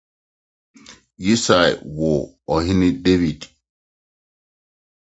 I was reading too many books.